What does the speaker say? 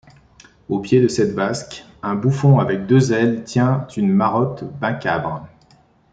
Au pied de cette vasque, un bouffon avec deux ailes tient une marotte macabre.